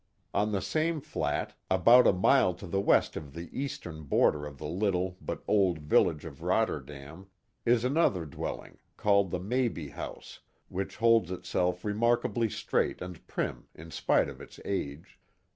On the same flat, about a mile to the west of the eastern border of the little but old village of Rotterdam, is another dwelling, called the Mabie house, which holds itself remark ably strait and prim in spite of its age.